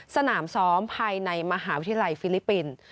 สนามซ้อมภายในมหาวิทยาลัยฟิลิปปินส์